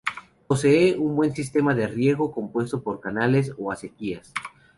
Posee un buen sistema de riego compuesto por canales o acequias.